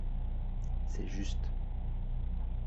C’est juste.